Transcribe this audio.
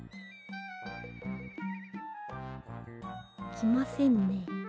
きませんね。